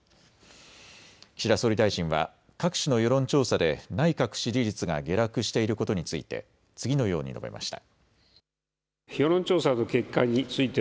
岸田総理大臣は各種の世論調査で内閣支持率が下落していることについて次のように述べました。